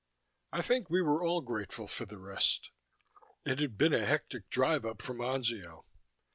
I think we were all grateful for the rest. It had been a hectic drive up from Anzio.